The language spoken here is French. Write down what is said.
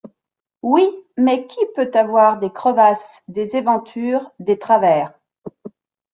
Oui, mais qui peut avoir des crevasses, des éventures, des travers.